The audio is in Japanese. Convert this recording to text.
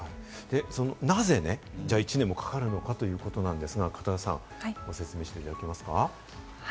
なぜね、１年もかかるのか？ということなんですが、片田さん、ご説明していただけますか？